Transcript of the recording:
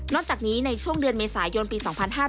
จากนี้ในช่วงเดือนเมษายนปี๒๕๕๙